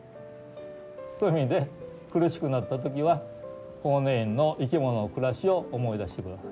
そういう意味で苦しくなった時は法然院の生き物の暮らしを思い出して下さい。